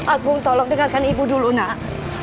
agung tolong dengarkan ibu dulu nak